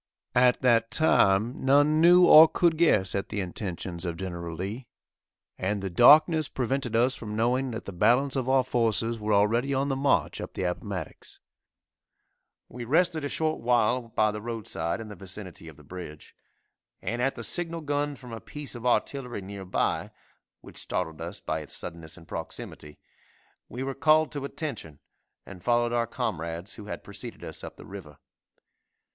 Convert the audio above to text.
At that time none knew or could guess at the intentions of Gen. Lee, and the darkness prevented us from knowing that the balance of our forces were already on the march, up the Appomattox. We rested a short while by the roadside in the vicinity of the bridge, and at the signal gun from a piece of artillery near by, which startled us by its suddenness and proximity, we were called to attention and followed our comrades who had preceded us up the river.